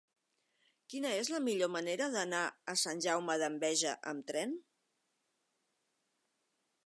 Quina és la millor manera d'anar a Sant Jaume d'Enveja amb tren?